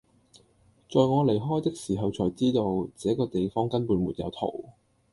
在我離開的時候才知道，這個地方根本沒有桃